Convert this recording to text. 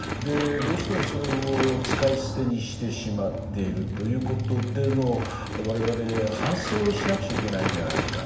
どうしてもそれを使い捨てにしてしまっているということでの我々反省をしなくちゃいけないんじゃないか。